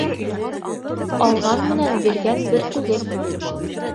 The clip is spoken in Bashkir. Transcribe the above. Алған менән биргән бер түгел